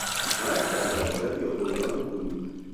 ترک در جواهر یا گلدان بلور